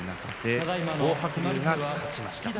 東白龍が勝ちました。